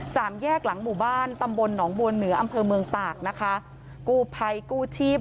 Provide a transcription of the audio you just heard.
สามแยกหลังหมู่บ้านตำบลหนองบัวเหนืออำเภอเมืองตากนะคะกู้ภัยกู้ชีพ